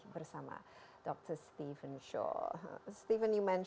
saya berada di tempat saya sekarang adalah